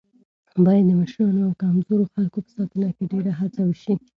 باید د مشرانو او کمزورو خلکو په ساتنه کې ډېره هڅه وشي.